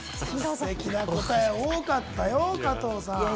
ステキな答え多かったよ、加藤さん。